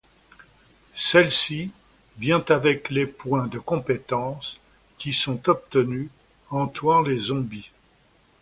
Celle-ci vient avec les points de compétence qui sont obtenus en tuant les zombies.